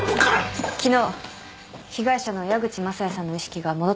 昨日被害者の矢口雅也さんの意識が戻ったそうですよ。